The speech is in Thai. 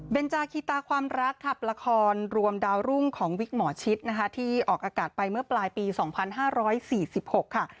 เป็นจากคีตาความรักค่ะละครรวมดาวรุ่งของวิกหมอชิดนะคะที่ออกอากาศไปเมื่อปลายปี๒๕๔๖ค่ะ